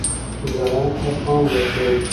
زراعت ته پام وکړئ.